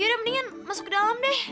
yaudah mendingan masuk ke dalam deh